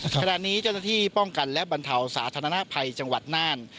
ขณะนี้เจ้าหน้าที่ป้องกันและบรรเทาสาธารณภัยจังหวัดน่าน